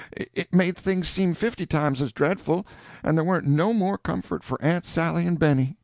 It made things seem fifty times as dreadful, and there warn't no more comfort for Aunt Sally and Benny.